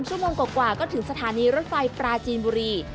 ชั่วโมงกว่าก็ถึงสถานีรถไฟปราจีนบุรี